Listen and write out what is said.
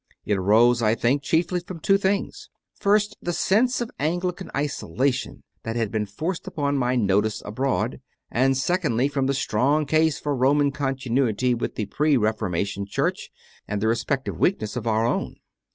It arose, I think, chiefly from two things: first, the sense of Anglican isolation that had been forced upon my notice abroad, and secondly from the strong case for Roman continuity with the pre Reformation Church and the respective weakness of our own.